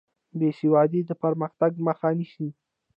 بې سوادي د پرمختګ مخه نیسي.